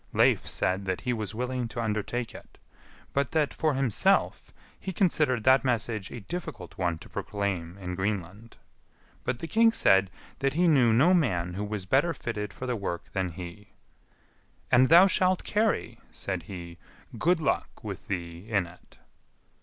Leif said that he was willing to undertake it, but that, for himself, he considered that message a difficult one to proclaim in Greenland. But the king said that he knew no man who was better fitted for the work than he. "And thou shalt carry," said he, "good luck with thee in it."